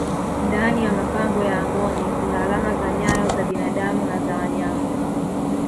ndani ya mapango ya amboni Kuna alama za nyayo za binadamu na wanyama